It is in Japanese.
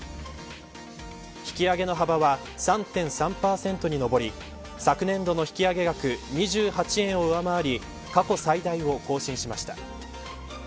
引き上げの幅は３．３％に上り昨年度の引き上げ額２８円を上回り過去最大を更新しました。